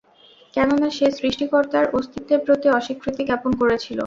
কেননা, সে সৃষ্টিকর্তার অস্তিত্বের প্রতি অস্বীকৃতি জ্ঞাপন করেছিল।